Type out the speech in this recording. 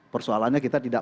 persoalannya kita tidak